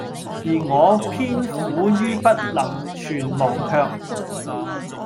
而我偏苦于不能全忘卻，